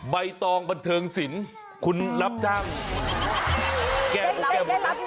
ใบตองบัตเทิงสินคุณรับจ้างแก้บ้น